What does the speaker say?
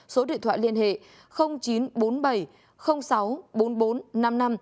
số điện thoại liên hệ chín trăm bốn mươi bảy sáu bốn mươi bốn năm mươi năm gặp điều tra viên nguyễn trần khôi nguyên